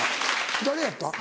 誰やった？